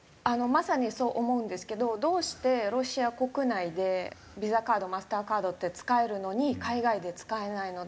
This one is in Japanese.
まさにそう思うんですけどどうしてロシア国内でＶｉｓａカードＭａｓｔｅｒｃａｒｄって使えるのに海外で使えないの？